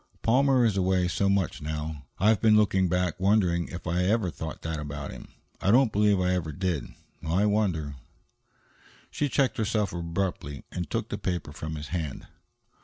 "Palmer is away so much now. I've been looking back, wondering if I ever thought that about him. I don't believe I ever did. I wonder " She checked herself abruptly and took the paper from his hand.